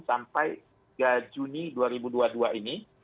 sampai tiga juni dua ribu dua puluh dua ini